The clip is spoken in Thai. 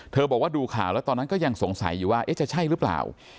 บอกว่าดูข่าวแล้วตอนนั้นก็ยังสงสัยอยู่ว่าจะใช่หรือเปล่า